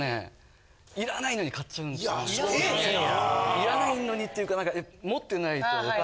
いらないのにっていうか何か持ってないと。